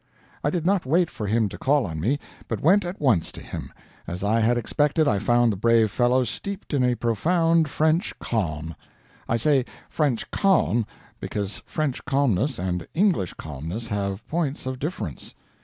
I did not wait for him to call on me, but went at once to him. As I had expected, I found the brave fellow steeped in a profound French calm. I say French calm, because French calmness and English calmness have points of difference.